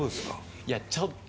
いやちょっと。